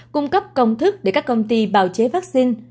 cung cấp công thức để các công ty bào chế vaccine